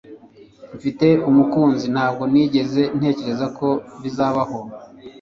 Mfite umukunzi Ntabwo nigeze ntekereza ko bizabaho